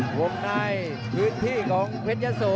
ภูมิในพื้นที่ของเพชย้าโศ